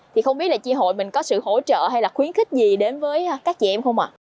thì không biết là chị hội mình có sự hỗ trợ hay là khuyến khích gì đến với các chị em không ạ